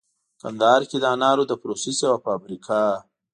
کندهار کې د انارو د پروسس یوه فابریکه